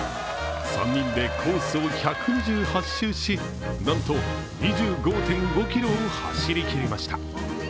３人でコースを１２８周しなんと２５．５ｋｍを走りきりました。